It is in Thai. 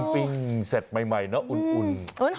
ปิ้งเสร็จใหม่เนอะอุ่น